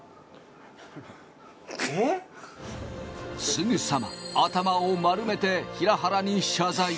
すぐさま頭を丸めて平原に謝罪。